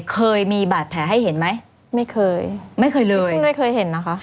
เคยมีบาดแผลให้เห็นไหมไม่เคยไม่เคยเลยไม่เคยเห็นนะคะ